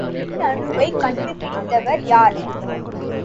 மின்னணுவைக் கண்டுபிடித்தவர் யார்?